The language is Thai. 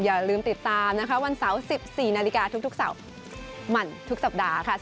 อย่าลืมติดตามวันเสาร์๑๔นทุกเสาร์หมั่นทุกสัปดาห์